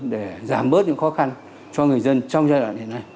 để giảm bớt những khó khăn cho người dân trong giai đoạn hiện nay